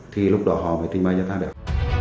thì lúc đó họ phải tinh may cho ta được